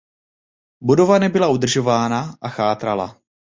Budova nebyla udržována a chátrala.